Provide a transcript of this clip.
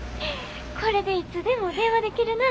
これでいつでも電話できるな。